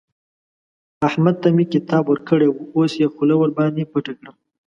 احمد ته مې کتاب ورکړی وو؛ اوس يې خوله ورباندې پټه کړه.